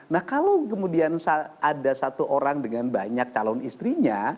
nah kalau kemudian ada satu orang dengan banyak calon istrinya